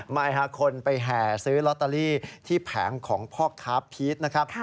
ไม่ค่ะคนไปแห่ซื้อลอตเตอรี่ที่แผงของพ่อค้าพีชนะครับ